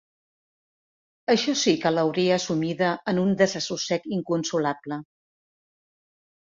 Això sí que l'hauria sumida en un desassossec inconsolable.